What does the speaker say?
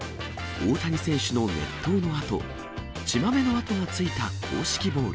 大谷選手の熱投の跡、血まめの跡がついた公式ボール。